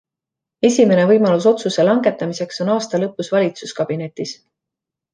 Esimene võimalus otsuse langetamiseks on aasta lõpus valitsuskabinetis.